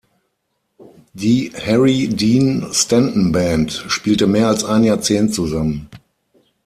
Die „Harry Dean Stanton Band“ spielte mehr als ein Jahrzehnt zusammen.